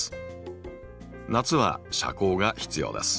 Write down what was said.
夏は遮光が必要です。